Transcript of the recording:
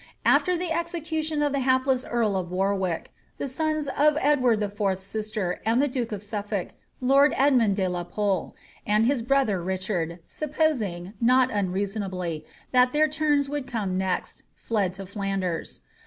AAer the execution of the hapless earl of War wick, the sons of Edward IV.'s sister, and the duke of Sufiblk, lord Edmund de la Pole, and his brother Richard, supposing, not unreason ably, that their iums would come next, fled to Flanders.